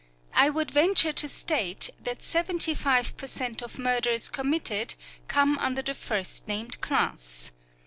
I would venture to state that seventy five per cent of murders committed come under the first named class.